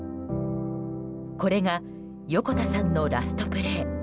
これが横田さんのラストプレー